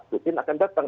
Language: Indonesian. putin akan datang